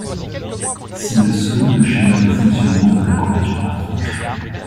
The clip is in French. Ci-dessous le schéma de fonctionnement de la couverture par tranche.